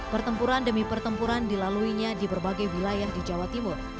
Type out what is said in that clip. pertempuran demi pertempuran dilaluinya di berbagai wilayah di jawa timur